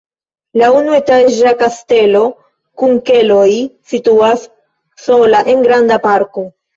La unuetaĝa kastelo kun keloj situas sola en granda parko.